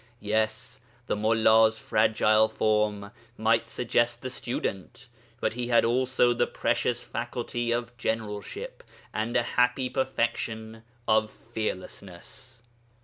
Yes, the Mullā's fragile form might suggest the student, but he had also the precious faculty of generalship, and a happy perfection of fearlessness.